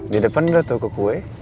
di depan ada toko kue